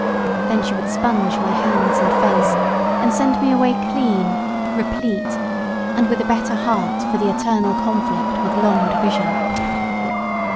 Then she would sponge my hands and face and send me away clean, replete, and with a better heart for the eternal conflict with long division.